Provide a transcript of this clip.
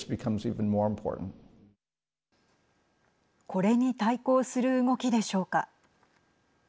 これに対抗する動きでしょうか。